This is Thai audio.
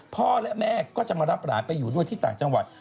พ่อและแม่ก็จะมารับหลานไปอยู่ด้วยที่ต่างจังหวัด